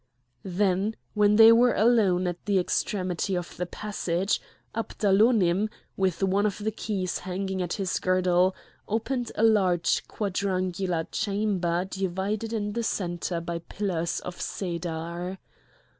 Then when they were alone at the extremity of the passage, Abdalonim, with one of the keys hanging at his girdle, opened a large quadrangular chamber divided in the centre by pillars of cedar.